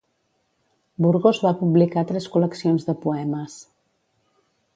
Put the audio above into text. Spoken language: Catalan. Burgos va publicar tres col·leccions de poemes.